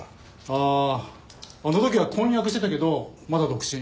あああの時は婚約してたけどまだ独身。